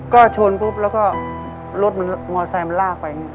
ก็ชนปุ๊บแล้วก็รถมอไซค์มันลากไป